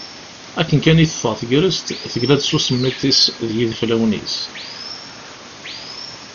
Akken kan i teffeɣ tegrest, tegla s usemmiḍ-is d yideflawen-is.